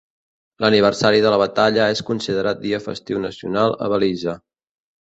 L'aniversari de la batalla és considerat dia festiu nacional a Belize.